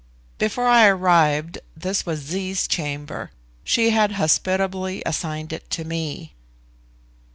Before I arrived this was Zee's chamber; she had hospitably assigned it to me.